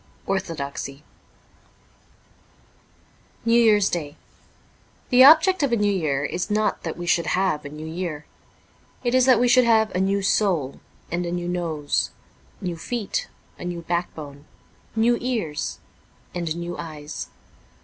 Orthodoxy,' NEW YEAR'S DAY THE object of a New Year is not that we should have a new year. It is that we should have a new soul and a new nose ; new feet, a new backbone, new ears, and new eyes.